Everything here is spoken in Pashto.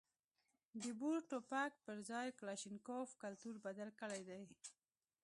د بور ټوپک پر ځای کلاشینکوف کلتور بدل کړی دی.